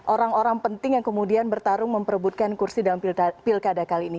orang orang penting yang kemudian bertarung memperebutkan kursi dalam pilkada kali ini